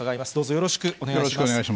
よろしくお願いします。